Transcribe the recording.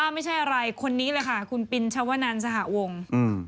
ไม่ใช่อะไรคนนี้เลยค่ะคุณปินชวนันสหวง